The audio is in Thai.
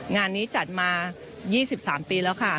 งานนี้จัดมา๒๓ปีแล้วค่ะ